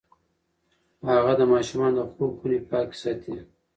هغې د ماشومانو د خوب خونې پاکې ساتي.